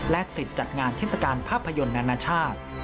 สิทธิ์จัดงานเทศกาลภาพยนตร์นานาชาติ